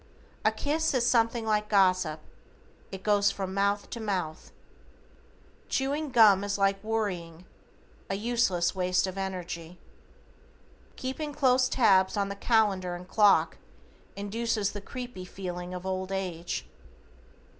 A kiss is something like gossip, it goes from mouth to mouth. Chewing gum is like worrying, a useless waste of energy. Keeping close tabs on the calendar and clock, induces the creepy feeling of old age.